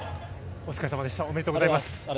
おめでとうございます。